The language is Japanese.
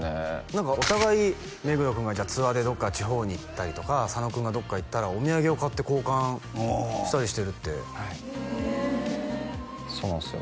何かお互い目黒君がツアーでどっか地方に行ったりとか佐野君がどっか行ったらお土産を買って交換したりしてるってはいそうなんすよ